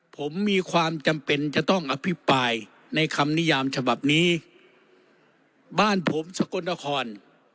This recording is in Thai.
ผมมีความจำเป็นจะต้องอภิปรายในคำนิยามฉบับนี้บ้านผมสกลนคร